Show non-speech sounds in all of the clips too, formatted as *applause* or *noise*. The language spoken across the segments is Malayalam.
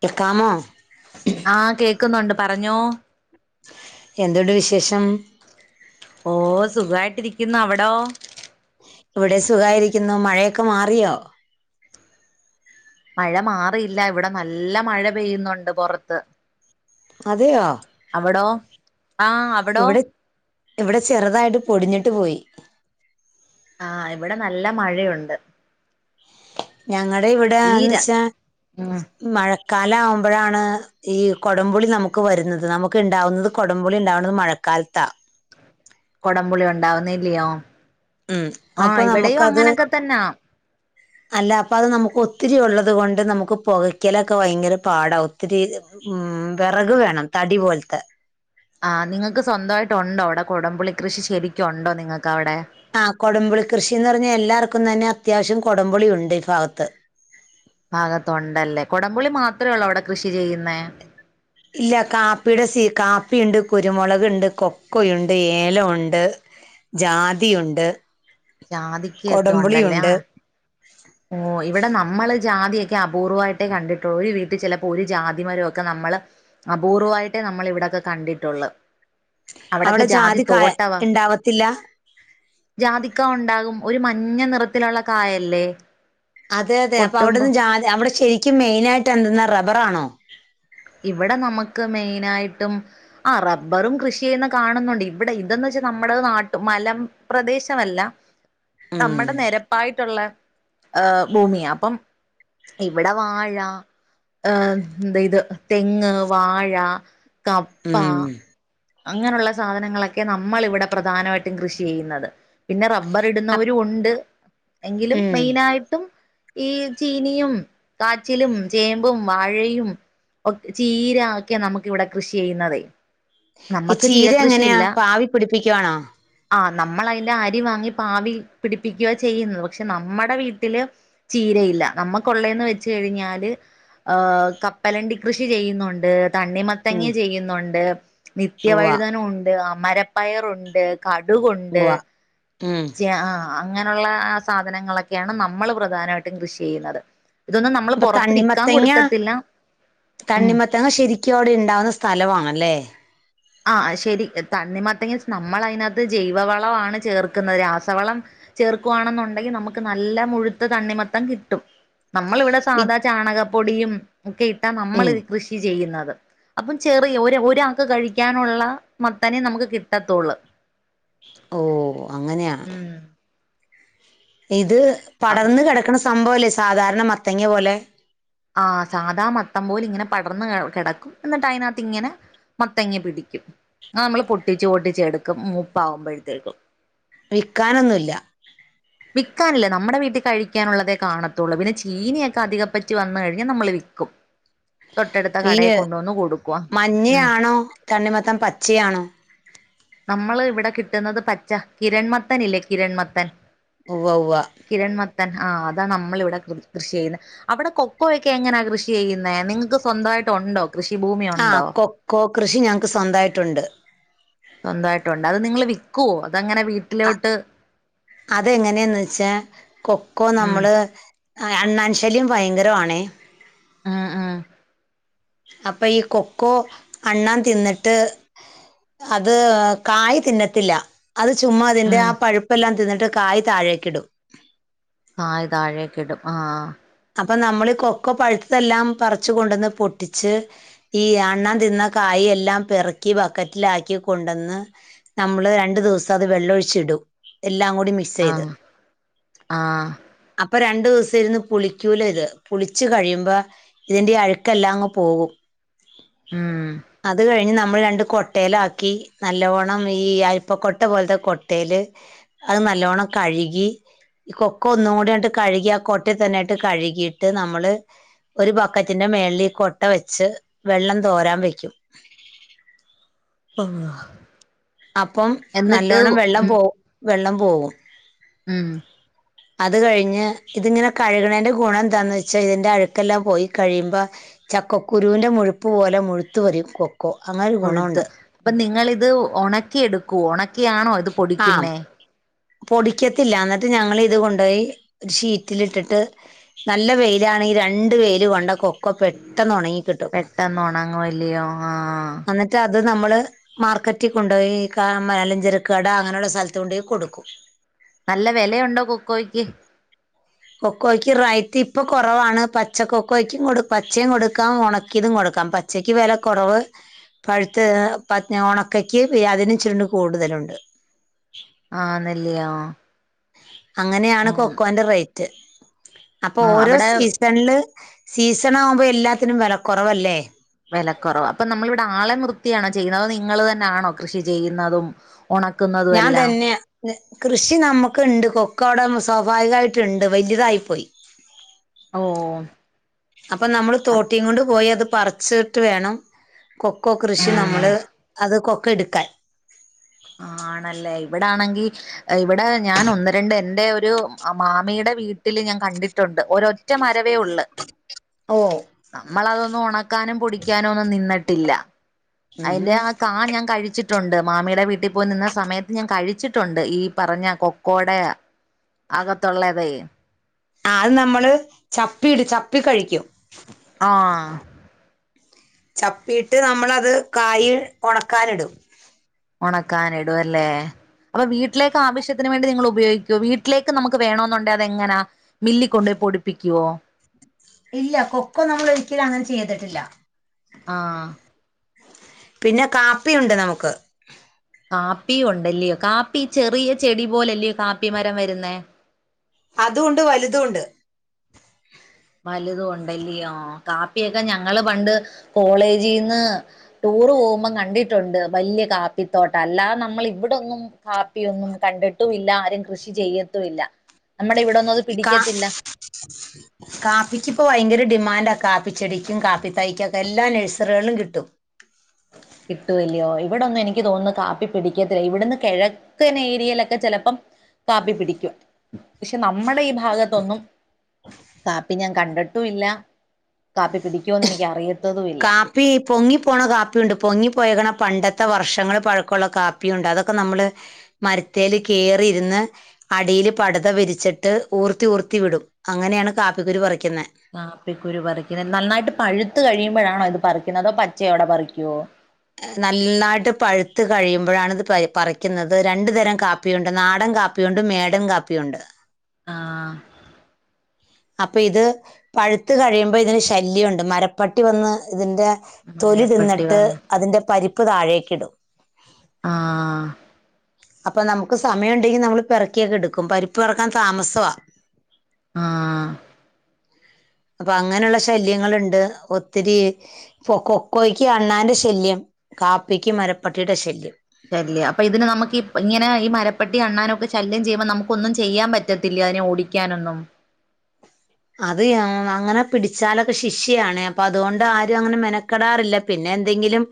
കേ ക്കാമോ? ആഹ കേക്കുന്നുണ്ട് പറഞ്ഞോ? എന്തൊണ്ട് വിശേഷം. ഓ സുഖായിട്ടിരിക്കുന്നു അവിടോ? ഇവിടെ സുഖായിരിക്കുന്നു മഴയൊക്കെ മാറിയോ? മഴ മാറിയില്ല ഇവിടെ നല്ല മഴ പെയ്യുന്നുണ്ട് പുറത്ത്. അതെയോ അവിടോ ആ അവിടോ? ഇവിടെ ഇവിടെ ചെറുതായിട്ട് പൊടിഞ്ഞിട്ട് പോയി. ആ ഇവിടെ നല്ല മഴയുണ്ട്. ഞങ്ങൾ ഈ ഇവിടെന്ന് ര വച്ചാ ഉം മഴക്കാലം ആവുമ്പോഴാണ്. ഈ കൊടംപൊളി നമുക്ക് വരുന്നത്. നമുക്ക് ഉണ്ടാവുന്നത് കൊടംപുളി ഉണ്ടാവുന്നത് മഴക്കാലത്താ. കൊടംപുളി ഉണ്ടാവുന്നില്ലയോ ഉം ആഹ് അപ്പൊ ഇവിടെയും നമുക്കത് അങ്ങനെയൊക്കെ തന്നാ *unintelligible* അല്ല അപ്പ അത് നമുക്ക് ഒത്തിരി ഉള്ളത് കൊണ്ട് നമുക്ക് പുകയ്ക്കലൊക്കെ ഭയങ്കര പാടാ ഒത്തിരി. ഉം വിറക് വേണം തടി പോലത്തെ. ആഹ് നിങ്ങൾക്ക് സ്വന്തമായിട്ട്. ഒണ്ടോ അവിടെ കൊടംപൂളിക്കൃഷി ശരിക്കും ഉണ്ടോ. നിങ്ങൾക്ക് അവിടെ. ആഹ് കൊടംപുളി കൃഷിന്ന് പറഞ്ഞാൽ. എല്ലാർക്കും തന്നെ അത്യാവശ്യം കൊടംപുളി ഉണ്ട് ഈ ഭാഗത്ത്. ഭാഗത്തുണ്ടല്ലേ കുടംപുളി മാത്രമേ ഉള്ളൂ അവിടെ കൃഷി ചെയ്യുന്നേ. ഇല്ല കാപ്പിയുടെ സീ കാപ്പിയുണ്ട്, കുരുമുളക് ഉണ്ട്, കൊക്കൊയുണ്ട്, ഏലമുണ്ട്, ജാതിയുണ്ട്. ജാതിക്കയൊക്കെ ഉണ്ടല്ലേ. കൊടംപുളിയുണ്ട് ആ ഓ ഇവിടെ നമ്മള് ജാതിയൊക്കെ അപൂർവ്വമായിട്ടേ കണ്ടിട്ടുള്ളൂ. ഒരു വീട്ടിൽ ചിലപ്പോ ഒരു ജാതിമരമൊക്കെ നമ്മള്. അപൂർവമായിട്ടേ നമ്മള് ഇവിടെയൊക്കെ കണ്ടിട്ടൊള്ളു അവിടൊക്കെ അവിടെ ജാതി കായ തോട്ടവാ ഉണ്ടാവത്തില്ല ജാതിക്ക ഉണ്ടാകും ഒരു മഞ്ഞ നിറത്തിലുള്ള കായല്ലേ? അതെ അതെ അപ്പൊ പൊട്ടുമ്പോ അവിടെന്ന് ജാ അവിടെ ശരിക്കും മെയിനായിട്ട് എന്തെന്നാ റബ്ബറാണോ? ഇവടെ നമുക്ക് മെയിനായിട്ടും ആഹ് റബ്ബറും കൃഷി ചെയ്യുന്ന കാണുന്നുണ്ട് ഇവിടെ ഇതെന്ന് വെച്ചാ നമ്മുടെ നാട്ടും മല പ്രദേശവല്ല *inaudible* നമ്മടെ നെരപ്പായിട്ടുള്ള ഏഹ് ഭൂമിയാ അപ്പം ഇവിടെ വാഴ, ഏം എന്ത ഇത് തെങ്ങ്, വാഴ കപ്പ ഉം അങ്ങനുള്ള സാധനങ്ങളൊക്കെ നമ്മള് ഇവിടെ പ്രധാനമായിട്ടും കൃഷി ചെയ്യുന്നത് പിന്നെ റബ്ബ ർ അപ് ഇടുന്നവരും ഉണ്ട് എങ്കിലും ഉം മെയിനായിട്ടും ഈ ചീനിയും, കാച്ചിലും, ചേമ്പും, വാഴയും ചീര ഒക്കെയാ നമുക്ക് ഇവിടെ കൃഷി ചെയ്യുന്നതേ ഈ നമ്മക്ക് ചീര എങ്ങനെയാ കൃഷിയില്ല പാവി പിടിപ്പിക്കുവാണോ? ആഹ് നമ്മള് അതിന്റെ അരി വാങ്ങി പാവി പിടിപ്പിക്കുകയാ ചെയ്യുന്നത് പക്ഷെ നമ്മുടെ വീട്ടില് ചീരയില്ല നമ്മക്ക് ഒള്ളേന്ന് വെച്ച് കഴിഞ്ഞാല് ആഹ് കപ്പലണ്ടി കൃഷി ചെയ്യുന്നുണ്ട് ഉം തണ്ണിമത്തങ്ങ ചെയ്യുന്നുണ്ട് ഉവ്വ നിത്യവഴുതന ഉണ്ട് അമര- പയറുണ്ട് കടുകുണ്ട് ഉവ്വ ഉം ജാ ആഹ് അങ്ങനുള്ള ആ സാധനങ്ങളൊക്കെയാണ് നമ്മള് പ്രധാനമായിട്ടും കൃഷി ചെയ്യുന്നത് ഇതൊന്നും നമ്മള് അപ്പൊ പൊറത്ത് വിക്കാൻ തണ്ണിമത്തങ്ങ കൊടുക്കത്തില്ല ഉം തണ്ണിമത്തങ്ങ ശരിക്കും അവിടെ ഇണ്ടാവുന്ന സ്ഥലവാണല്ലേ? ആ ശെരി തണ്ണിമത്തങ്ങ നമ്മളതിനകത്ത് ജൈവവളമാണ് ചേർക്കുന്നത് രാസവളം ചേർക്കുവാണെന്നുണ്ടെങ്കി നമുക്ക് നല്ല മുഴുത്ത തണ്ണിമത്തൻ കിട്ടും നമ്മളിവിടെ ഈ സാധാ ചാണകപ്പൊടിയും ഒക്കെ ഇട്ടാ ഉം നമ്മളിത് കൃഷി ചെയ്യുന്നത് അപ്പം ചെറിയ ഒരു ഒരാൾക്ക് കഴിക്കാനുള്ള മത്തനേ നമുക്ക് കിട്ടത്തൊള്ളൂ ഓഹ് അങ്ങനെയാണ് ഇത് പടർന്ന് കെടക്കണ സംഭവല്ലേ സാധാരണ മത്തങ്ങ പോലെ? ആഹ് സാദാ മത്തം പോല ഇങ്ങനെ പടർന്ന് കിടക്കും എന്നിട്ട് അയിനകത്ത് ഇങ്ങനെ മത്തങ്ങ പിടിക്കും അത് നമ്മള് പൊട്ടിച്ചു പൊട്ടിച്ചു എടുക്കും മൂപ്പാവുമ്പഴത്തേക്കും വിക്കാനൊന്നുല്ല വിക്കാനില്ല നമ്മുടെ വീട്ടി കഴിക്കാനുള്ളതേ കാണത്തൊള്ളൂ പിന്നെ ചീനിയൊക്കെ അധികപ്പറ്റി വന്നു കഴിഞ്ഞാ നമ്മള് വിക്കും *inaudible* ഈ കൊടുക്കുവ ഉം മഞ്ഞയാണോ? തണ്ണിമത്തൻ പച്ചയാണോ? നമ്മള് ഇവിടെ കിട്ടുന്നത് പച്ച കിരൺമത്തനില്ലേ? കിരൺമത്തൻ? ഉവ്വ ഉവ്വ കിരൺമത്തൻ ആ അതാ നമ്മളിവിടെ കൃഷി ചെയ്യുന്നത് അവിടെ കൊക്കോയെക്കെ എങ്ങനെയാ കൃഷി ചെയ്യുന്നേ നിങ്ങക്ക് സ്വന്തായിട്ട് ഉണ്ടോ? കൃഷിഭൂമി ഉണ്ടോ ആഹ് കൊക്കൊ കൃഷി ഞങ്ങക്ക് സ്വന്തായിട്ടുണ്ട്. സ്വന്തായിട്ടുണ്ട് അത് നിങ്ങള് വിക്കോ? അതങ്ങനെ വീട്ടിലോട്ട്? അത് എങ്ങനെയാന്ന് വെച്ചാ കൊക്കോ ഉം നമ്മള്. ആ അണ്ണാൻ ശല്യം ഭയങ്കരവാണേ ഉം ഉം അപ്പൊ ഈ കൊക്കോ അണ്ണാൻ തിന്നിട്ട്. അത് കായി തിന്നത്തില്ല. അത് ചുമ്മാ അതിന്റെ ഉം ആ പൾപ്പെല്ലാം തിന്നിട്ട് കായ് താഴേക്കിടും. കായ് താഴെക്കിടും ആഹ്. അപ്പൊ നമ്മളി കൊക്കൊ പഴുത്തതെല്ലാം പറിച്ച് കൊണ്ടന്ന് പൊട്ടിച്ച്. ഈ അണ്ണാൻ തിന്ന കായെല്ലാം പെർക്കി ബക്കറ്റിലാക്കി കൊണ്ടന്ന്. നമ്മള് രണ്ടു ദിവസം അത് വെള്ളൊഴിച്ചിടും എല്ലാം കൂടി മിക് ആഹ് ആഹ്. അപ്പൊ രണ്ടുസം ഇരുന്ന് പുളി ക്കൂലെത് പുളിച്ച് കഴിയുമ്പോ ഇതിന്റെ അഴുക്കെല്ലാം അങ്ങ് പോവും. ഉം *inaudible* അത് കഴിഞ്ഞ് നമ്മൾ രണ്ട് കൊട്ടേലാക്കി നല്ലോണം ഈ അരിപ്പക്കൊട്ട പോൽത്തെ കൊട്ടേല് അത് നല്ലോണം കഴുകി ഈ കൊക്കൊ ഒന്നും കൂടിയാണ്ട് കഴുകി ആ കൊട്ടേ തന്നെ ഇ ട്ട് കഴുകിയിട്ട് നമ്മള്. ഒരു ബക്കറ്റിന്റെ മേൾളീ കൊട്ട വെച്ച് വെള്ളം തോരാൻ വെക്കും. ആഹ്. അപ്പം നല്ലോണം വെള്ളം ഉം പോ വെള്ളം പോവും. ഉം. അത് കഴിഞ്ഞ് ഇതിങ്ങനെ കഴുക്ണേന്റെ ഗുണം എന്താന്ന്ച്ചാ ഇതിന്റെ അഴുക്കെല്ലാം പോയി കഴിയുമ്പോ. ചക്ക കുരുവിൻ്റെ മുഴുപ്പ് പോലെ മുഴുത്തുവരും കൊ ക്കൊ അങ്ങ ഉഴുത്ത് അപ്പൊ നിങ്ങളിത് ഒണക്കിയെടുക്കോ? ഒണക്കിയാണോ ഇത് ആ പൊടിക്കുന്നേ? പൊടിക്കത്തില്ല എന്നിട്ട് ഞങ്ങളിത് കൊണ്ടോയി ഒരു ഷീറ്റിലിട്ടിട്ട്. നല്ല വെയിലാണെ ഈ രണ്ട് വെയില് കൊണ്ട കൊ ക്കൊ പെട്ടെന്ന് ഒണങ്ങിക്കിട്ടും പെട്ടെന്ന് ഒണങ്ങുവല്ലയോ ആഹ് അന്നി. റ്റത് നമ്മള് മാർക്കറ്റി കൊണ്ടോയി ക മാലഞ്ചരക്ക് കട അങ്ങനെയുള്ള സ്ഥലത്ത് കൊണ്ടോയി കൊടുക്കും. *inaudible* നല്ല വെലയുണ്ടോ കൊക്കോയ്ക്ക്? കൊക്കോയ്ക്ക് റൈറ്റ് ഇപ്പൊ കൊറവാണ് പച്ച കൊക്കോയ്ക്കും കൊടു പച്ചയും കൊടുക്കാം ഒണക്കിതും കൊടുക്കാം പ ച്ചക്ക് വെല കൊറവ്. പഴുത്ത് ഹ് പൻ ഒണക്കക്ക് ഏ അതിന് ച്ചുരുണ്ട് കൂടുതലുണ്ട്. ആന്നല്ലിയോ അങ്ങനെയാണ് കൊക്കോന്റെ റേറ്റ് അപ്പൊ ആഹ് ഓരോ അവിടെ സീസ്. സൺല് സീസണാവുമ്പോ എല്ലാത്തിനും വെല കൊറവല്ലേ. വെലക്കൊറവ അപ്പൊ നമ്മൾ ഇവിടെ ആളെ നിർത്തിയാണോ ചെയ്യുന്നത് അതൊ നിങ്ങള് തന്നെയാണോ കൃഷി ചെയ്യുന്നതും. ഒണക്കുന്നതും ഞാൻ എല്ലാം തന്നെയാ. ന്ന് കൃഷി നമക്ക്ണ്ട് കൊക്കൊ അവ്ടെ സ്വാഭാവികായിട്ടുണ്ട് വലുതായി പോയി. ഓഹ്. അപ്പൊ നമ്മള് തോട്ടിയുംകൊണ്ട് പോയി അത് പറിച്ച്ട്ട് വേണം. കൊക്കോ കൃഷി നമ്മള് അത് കൊക്കൊ എടുക്കാൻ. ആഹ് ആണല്ലേ ഇവിടാണെങ്കി. ഇവിടെ ഞാൻ ഒന്ന് രണ്ട് എന്റെ ഒരു ആ മാമിയുടെ വീട്ടില് ഞാൻ കണ്ടിട്ടുണ്ട് ഒരൊ റ്റ മരവേ ഒള്ള്. ഓ നമ്മളതൊന്നും ഒണക്കാനും പൊടിക്കാനൊന്നും നിന്നട്ടില്ല. അതിന്റെ ഉം ആ കാ ഞാൻ കഴിച്ചിട്ടുണ്ട് മാമിയുടെ വീ ട്ടിപ്പോയ് നിന്ന സമയത്ത് ഞാൻ കഴിച്ചിട്ടുണ്ട് ഈ പറഞ്ഞ കൊക്കോടെയാ അകത്തുള്ളതേ അത് നമ്മള് ചപ്പിട് ചപ്പി കഴിക്കും. ആഹ്. ചപ്പിയിട്ട് നമ്മളത് കായ് ഒണക്കാനിടും. ഒണക്കാന് ഇടുവല്ലേ. അപ്പൊ വീട്ടിലേക്ക് ആവിശ്യത്തിന് വേണ്ടി നിങ്ങൾ ഉപയോഗിക്കൊ വീട്ടിലേക്ക് നമുക്ക് വേണോന്നുണ്ടെ അത് എങ്ങനാ. മില്ലിക്കൊണ്ടോയി പൊടിപ്പിക്കുവോ? ഇല്ല കൊക്കോ നമ്മൾ ഒരിക്കലും അങ്ങനെ ചെയ്തിട്ടില്ല. ആഹ്. പിന്നെ കാപ്പിഉണ്ട് നമുക്ക്. കാപ്പി ഉണ്ടല്ലിയോ കാപ്പി ചെറിയ ചെടി പോലല്ലയോ കാപ്പി മരം വരുന്നേ. അതും ഒണ്ട് വലുതുണ്ട്. വലുതും ഉണ്ടല്ലിയോ കാപ്പിയൊക്കെ ഞങ്ങള് പണ്ട് കോളേജിന്ന്. ടൂറ് പോകുമ്പം കണ്ടിട്ടുണ്ട് വലിയ കാപ്പിത്തോട്ടം അല്ലാതെ നമ്മൾ ഇവിടൊന്നും. കാപ്പിയൊന്നും കണ്ടിട്ടും ഇല്ല ആരും കൃഷി ചെയ്യത്തുമില്ല. കാ കാപ്പിക്കിപ്പോ ഭയങ്കര ഡിമാന്റാ കാപ്പിച്ചെടിക്കും കാപ്പി തൈക്കുംക്കെ എല്ലാ നഴ്സറികളിലും കിട്ടും. കിട്ടൂല്ലയോ ഇവിടൊന്നും എനിക്ക് തോന്നുന്നു കാപ്പി പിടിക്കത്തില്ല ഇവിടന്ന് കെഴ. ക്കനെ ഏരിയയിലൊക്കെ ചെലപ്പം കാപ്പി പിടിക്കും. പക്ഷെ നമ്മടെ ഈ ഭാഗത്തൊന്നും കാപ്പി ഞാൻ കണ്ടിട്ടുംല്ല. കാപ്പി പിടിക്കുവോന്ന് എനിക്ക് അറിയ കാപ്പി. പൊങ്ങിപ്പോണ കാപ്പിയുണ്ട് പൊങ്ങിപ്പോയേക്കെണ പണ്ടത്തെ വർഷങ്ങൾ പഴക്കമുള്ള കാപ്പിയുണ്ട്. അതൊക്കെ നമ്മള്. മരത്തേല് കേറിരുന്ന്. അടിയിൽ പടത വിരിച്ചിട്ട് ഊർത്തി, ഊർത്തി വിടും അങ്ങനെയാണ് കാപ്പിക്കുരു പറിക്കുന്നെ. കാപ്പിക്കുരു പറിക്കുന്നത്. നന്നായിട്ട് പഴുത്തു കഴിയുമ്പോഴാണോ ഇത് പറിക്കുന്നത് അതോ പച്ച യോടെ പറിക്കുവോ? നന്നായിട്ട് പഴുത്ത് കഴിയുമ്പോഴാണ് ഇത് പറിക്കുന്നത് രണ്ടു തരം കാപ്പി. കാപ്പിയുണ്ട് നാടൻ കാപ്പിയുണ്ട് മേടൻ കാപ്പിയുണ്ട്. ആഹ്. അപ്പൊ ഇത് പഴുത്ത് കഴിയുമ്പോ ഇതിന് ശല്യോണ്ട് മരപ്പട്ടി വന്ന് ഇതിന്റെ. തൊലി മരപ്പട്ടി തിന്നിട്ട് വന്ന് അതിന്റെ പരിപ്പ് താഴേക്ക് ഇടും. ആഹ്. അപ്പൊ നമുക്ക് സമയണ്ടെങ്കി നമ്മള് പെറക്കിയൊക്കെടുക്കും പരിപ്പ് പറക്കാൻ താമസവാ. ആഹ്. അപ്പൊ അങ്ങനെള്ള ശല്യങ്ങള്ണ്ട് ഒത്തിരി. കൊക്കോയ്ക്ക് അണ്ണാന്റെ ശല്യം. കാപ്പിക്ക് മരപ്പട്ടിടെ ശല്യം. ശല്യ അപ്പൊ ഇതിനെ നമുക്ക് ഇപ്പ ഇങ്ങനെ ഈ മരപ്പെട്ടി അണ്ണാനൊക്കെ ശല്യം ചെയുമ്പോ നമുക്ക് ഒന്നും ചെയ്യാൻ പറ്റത്തില്ല. അതിനെ ഓടി ക്കാനൊന്നും. അത് അങ്ങനെ പിടിച്ചാലൊക്കെ ശിഷ്യാണ് അപ്പൊ അതുകൊണ്ട് ആരും അങ്ങനെ മെനക്കെടാറില്ല. പിന്നെ എന്തെങ്കിലും.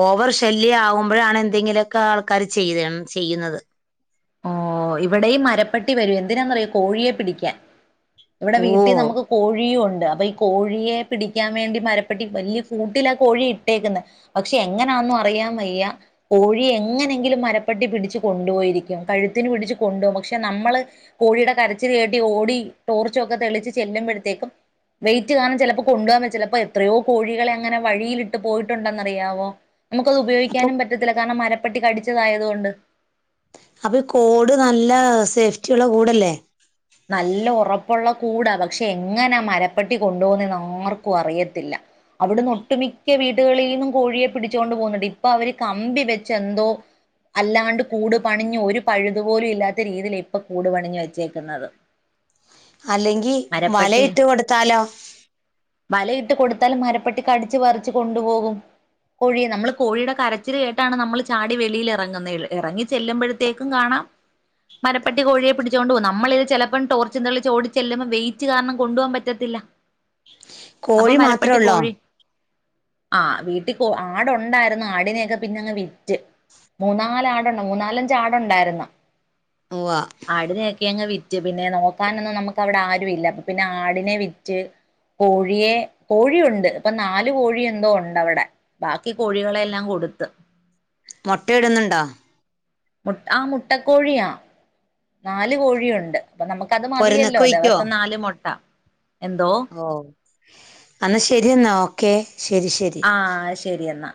ഓവർ ശല്യം ആവുമ്പോഴാണ് എന്തെങ്കിലുക്കെ ആൾക്കാര് ചെയ്യുന്നത്. ഓ ഇവിടെയും മരപ്പെട്ടി വരും എന്തിനാന്ന്റിയോ കോഴിയെ പിടിക്കാൻ ഇവിടെ ഓ വീട്ടിൽ നമുക്ക്. കോഴിയും ഒണ്ട് അപ്പൊ ഈ കോഴിയെ പിടിക്കാൻ വേണ്ടി മരപ്പെട്ടി വലിയ കൂട്ടിലാ കോഴി ഇട്ടേക്കുന്നത്. പക്ഷെ എങ്ങനാന്നും അറിയാൻ വയ്യ കോഴിയെ എങ്ങനെങ്കിലും മരപ്പെട്ടി പിടിച്ച് കൊണ്ടുപോയിരിക്കും. കഴുത്തിന് പിടിച്ച് കൊണ്ടുപോകും പക്ഷെ നമ്മള്. കോഴിയുടെ കരച്ചിൽ കേട്ട് ഓടി ടോർച്ചൊക്കെ തെളിച്ച് ചെല്ലുമ്പഴ്ത്തേക്കും. വെയിറ്റ് കാരണം ചെലപ്പോ *unintelligible* ചിലപ്പോ എത്രയോ കോഴികളെ അങ്ങനെ വഴിയിലിട്ട് പോയിട്ടുണ്ടെന്നറിയാവോ നമുക്കത് അപ്പൊ ഉപയോഗിക്കാനും പറ്റത്തില്ല കാരണം മരപ്പട്ടി കടിച്ചതായതുകൊണ്ട് അപ്പൊ കോഡ് നല്ല സേഫ്റ്റിള്ള കൂടല്ലേ നല്ല ഒറപ്പുള്ള കൂടാ പക്ഷെ എങ്ങനെ മരപ്പട്ടി കൊണ്ടോവുന്ന ആർക്കും അറിയത്തില്ല അവിടുന്ന് ഒട്ടുമിക്ക വീടുകളിൽ നിന്നും കോഴിയെ പിടിച്ചുകൊണ്ട് പോകുന്നുണ്ട് ഇപ്പൊ അവര് കമ്പി വെച്ച് എന്തോ അല്ലാണ്ട് കൂട് പണിഞ്ഞു ഒരു പഴുതുപോലും ഇല്ലാത്ത രീതിയിൽ ഇപ്പ കൂടു പണിഞ്ഞു വെച്ചേക്കുന്നത് അല്ലെങ്കിൽ മരപ്പട്ടി വലയിട്ട് കൊടുത്താലും മരപ്പട്ടിക്കടിച്ച് പറിച്ച് കൊണ്ടുപോകും കോഴി നമ്മൾ കോഴിയുടെ കരച്ചിൽ കേട്ടാണ് നമ്മൾ ചാടി വെളിയിൽ ഇറങ്ങുന്ന ഇറങ്ങി ചെല്ലുമ്പോഴ തേക്കും കാണാം മരപ്പെട്ടി കോഴിയെ പിടിച്ചുകൊണ്ട് പോകും നമ്മള ഇത് ചെല ഇപ്പം ടോർച്ച്ന്തള ചോടിച്ചെല്ലുമ്പ വെയിറ്റ് കാരണം കൊണ്ടു പോകാൻ പറ്റത്തില്ല അപ്പൊ കോഴി മാത്രേ മരപ്പട്ടി ഉള്ളോ കോഴി ആഹ് വീട്ടിൽ ആടുണ്ടായിരുന്നു ആടിനെയൊക്കെ പിന്നെ അങ്ങ് വിറ്റ് മൂന്നാലല് ആട്ണ്ട് മൂന്നാലഞ്ച് ആടുണ്ടായിരുന്നു ഹുവ ആടിനൊക്കെ അങ്ങ് വിറ്റ് പിന്നെ നോക്കാനൊന്നും നമുക്ക് അവിടെ ആരുും ഇല്ല പിന്നെ ആടിനെ വിറ്റ് കോഴിയെ കോഴിയുണ്ട് ഇപ്പൊ നാലു കോഴിഎന്തോ ഉണ്ട അവിടെ ബാക്കി കോഴികളെ എല്ലാം കൊടുത്ത് മൊട്ടയിടുന്നുണ്ടോ മു ആ മുട്ടക്കോഴിയാ നാല് കോഴിയുണ്ട് അപ്പൊ നമുക്കത് മതിയല്ലോ പൊരുന്നൊക്കെ വയ്ക്കുവോ ദിവസം നാല് മുട്ട എന്തോ ഓ അന്ന ശരി എന്നാ ഓക്കെ ശരി ശരി ആഹ ശരി എന്നാ